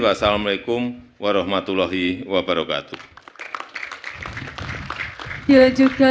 wassalamu alaikum warahmatullahi wabarakatuh